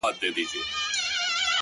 پر دې دنیا سوځم پر هغه دنیا هم سوځمه’